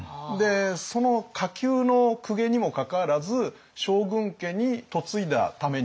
その下級の公家にもかかわらず将軍家に嫁いだために娘が。